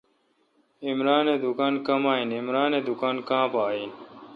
عمرانہ دکان کمااین۔۔عمران اے° دکان کاں بااین